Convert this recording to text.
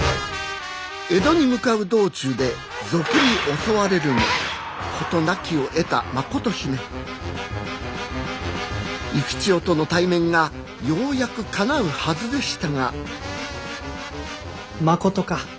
江戸に向かう道中で賊に襲われるも事なきを得た真琴姫幸千代との対面がようやくかなうはずでしたが真琴か。